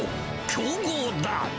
強豪だ。